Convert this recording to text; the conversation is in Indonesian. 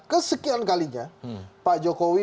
kesekian kalinya pak jokowi